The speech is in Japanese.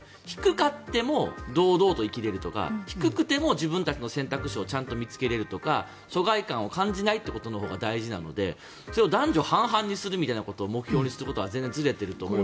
低くても堂々と生きられるとか低くても自分たちの選択肢をちゃんと見つけられるとか疎外感を感じないということが大事なので、それを男女半々にするみたいなことを目標にするのはおかしい。